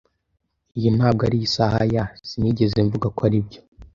"Iyi ntabwo ari isaha ya ." "Sinigeze mvuga ko aribyo."